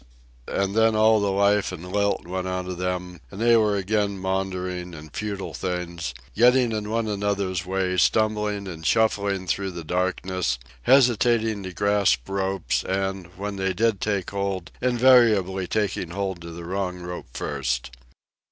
And then all the life and lilt went out of them, and they were again maundering and futile things, getting in one another's way, stumbling and shuffling through the darkness, hesitating to grasp ropes, and, when they did take hold, invariably taking hold of the wrong rope first.